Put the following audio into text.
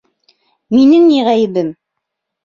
Минең ни ғәйебем?